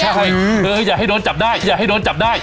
อย่าให้โดนจับได้อย่าให้โดนจับได้